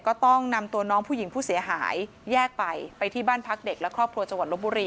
ก็ต้องนำตัวน้องผู้หญิงผู้เสียหายแยกไปไปที่บ้านพักเด็กและครอบครัวจังหวัดลบบุรี